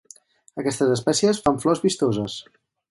Aquestes espècies fan flors vistoses.